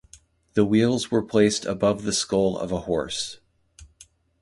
The wheels were placed above the skull of a horse.